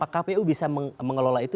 kpu bisa mengelola itu